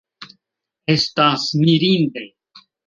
Estas mirinde!